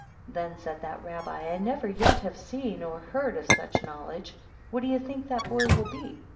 8 Then said that Rabbi, I never yet have seen or heard of such knowledge! What do you think that boy will be?